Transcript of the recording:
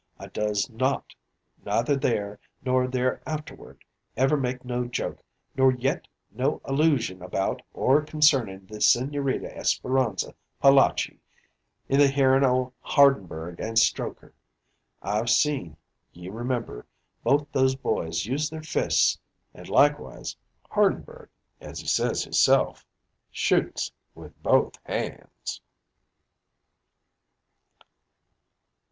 I does not, neither there, nor thereafterward, ever make no joke, nor yet no alloosion about, or concerning the Sigñorita Esperanza Palachi in the hearin' o' Hardenberg an' Strokher. I've seen (ye remember) both those boys use their fists an' likewise Hardenberg, as he says hisself, shoots with both hands."